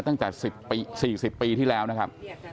ตั้งแต่๔๐ปีที่แล้วนะครับ